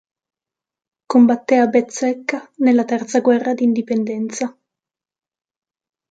Combatté a Bezzecca nella terza guerra d'Indipendenza.